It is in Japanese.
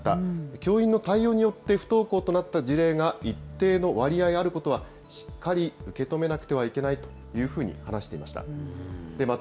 教員の対応によって不登校となった事例が一定の割合あることは、しっかり受け止めなくてはいけないというふうに話していました。